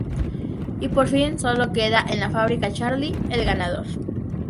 Y por fin solo queda en la fábrica Charlie, el ganador.